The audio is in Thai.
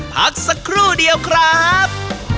พักสักครู่เดียวครับ